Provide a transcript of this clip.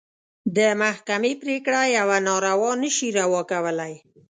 د محکمې پرېکړه يوه ناروا نه شي روا کولی.